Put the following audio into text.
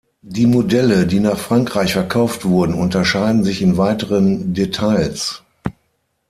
Die Modelle, die nach Frankreich verkauft wurden unterschieden sich in weiteren Details.